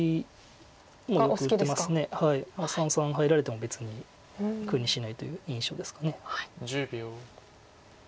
三々入られても別に苦にしないという印象です。